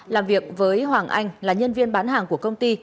làm việc với hoàng anh là nhân viên bán hàng của công ty